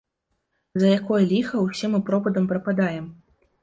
За якое ліха ўсе мы пропадам прападаем?